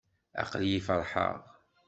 Aql-iyi feṛḥeɣ.